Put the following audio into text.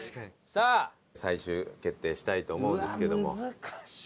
さあ最終決定したいと思うんですけども。